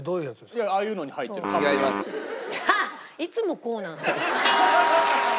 いつもこうなの。